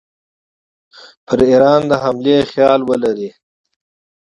پر ایران د حملې خیال ولري.